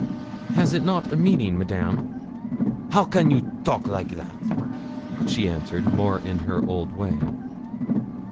'Has it not a meaning, Madame?' 'How can you talk like that?' she answered, more in her old way.